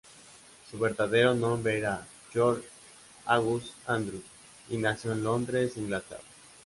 Su verdadero nombre era George Augustus Andrews, y nació en Londres, Inglaterra.